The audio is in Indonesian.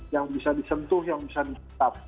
yang bisa disentuh yang bisa ditangkap